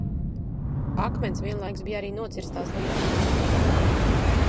Akmens vienlaikus bija arī nocirstās liepas stumbra daļa...